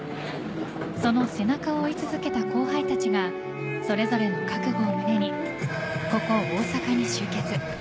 その背中を追い続けた後輩たちがそれぞれの覚悟を胸にここ大阪に集結。